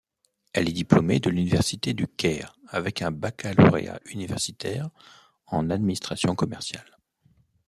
Elle est diplômée de l'université du Caire avec un baccalauréat universitaire en administration commerciale.